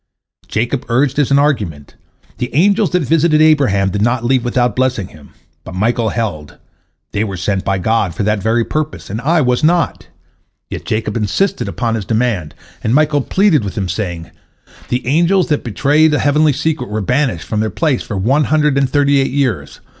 " Jacob urged as an argument, "The angels that visited Abraham did not leave without blessing him," but Michael held, "They were sent by God for that very purpose, and I was not." Yet Jacob insisted upon his demand, and Michael pleaded with him, saying, "The angels that betrayed a heavenly secret were banished from their place for one hundred and thirty eight years.